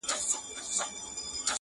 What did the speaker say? هغه بورا وي همېشه خپله سینه څیرلې.!